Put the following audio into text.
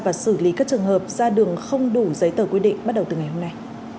và xử lý các trường hợp ra đường không đủ giấy tờ quy định bắt đầu từ ngày hôm nay